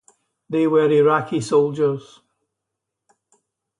They were Iraqi soldiers.